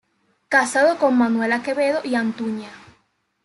Casado con Manuela Quevedo y Antuña.